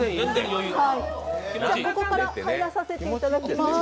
ここから入らせていただきます。